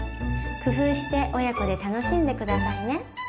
工夫して親子で楽しんで下さいね。